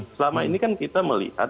selama ini kan kita melihat